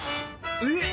えっ！